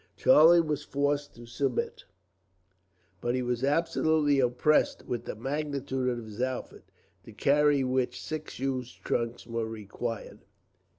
Charlie was forced to submit, but he was absolutely oppressed with the magnitude of his outfit, to carry which six huge trunks were required.